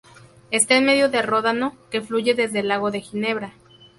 Esta en medio del Ródano, que fluye desde el lago de Ginebra.